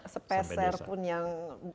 sepeser pun yang